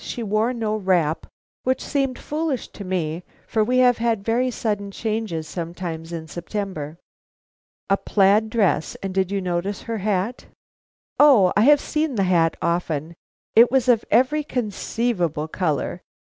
She wore no wrap, which seemed foolish to me, for we have very sudden changes sometimes in September." "A plaid dress! And did you notice her hat?" "O, I have seen the hat often. It was of every conceivable color.